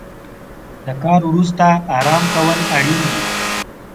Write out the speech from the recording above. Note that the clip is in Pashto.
د کار وروسته ارام کول اړین دي.